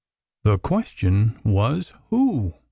The question was, who?